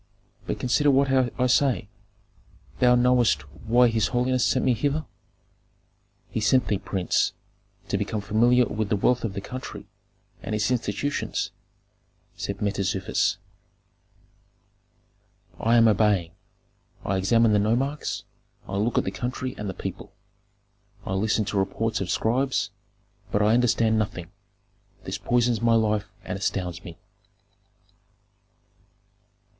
But consider what I say Thou knowest why his holiness sent me hither." "He sent thee, prince, to become familiar with the wealth of the country and its institutions," said Mentezufis. "I am obeying. I examine the nomarchs, I look at the country and the people. I listen to reports of scribes, but I understand nothing; this poisons my life and astounds me.